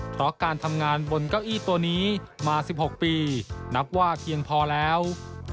เพราะการทำงานบนเก้าอี้ตัวนี้มา๑๖ปีนับว่าเพียงพอแล้ว